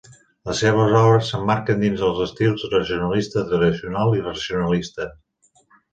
Les seves obres s'emmarquen dins els estils regionalista tradicional i racionalista.